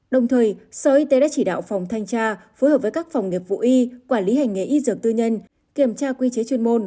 đồng thời sở y tế đã chỉ đạo phòng thanh tra phối hợp với các phòng nghiệp vụ y quản lý hành nghề y dược tư nhân kiểm tra quy chế chuyên môn